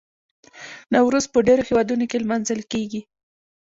نوروز په ډیرو هیوادونو کې لمانځل کیږي.